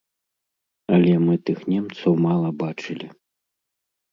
Але мы тых немцаў мала бачылі.